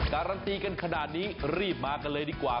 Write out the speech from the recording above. การันตีกันขนาดนี้รีบมากันเลยดีกว่า